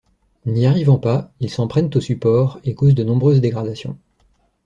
N'y arrivant pas, ils s'en prennent au support et causent de nombreuses dégradations.